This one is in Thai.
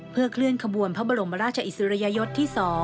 เพื่อเคลื่อนขบวนพระบรมราชอิสริยยศที่๒